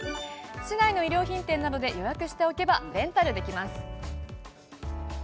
市内の衣料品店などで予約しておけばレンタルできます。